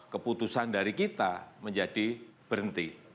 keputusan dari kita menjadi berhenti